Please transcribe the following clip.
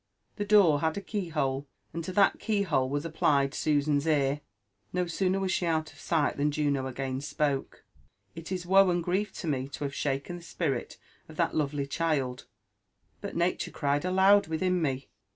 The dooi; had a keyhote, and to that keyhole was applied Susan's ear. * No sooner was she out of sight than Juno again spoke. " It is woe and grief to me to have shaken the spirit of that lovely child,; but nature cried aloud within, me.